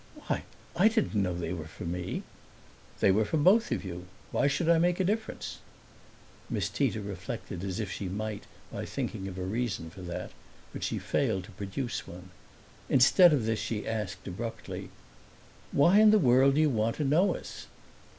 "Why I didn't know they were for me!" "They were for both of you. Why should I make a difference?" Miss Tita reflected as if she might by thinking of a reason for that, but she failed to produce one. Instead of this she asked abruptly, "Why in the world do you want to know us?"